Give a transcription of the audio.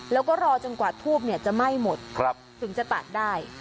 แล้วก็รอจนกว่าทูบจะไหม้หมดถึงจะตัดได้